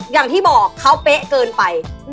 อย่างที่บอกเขาเป๊ะเกินไป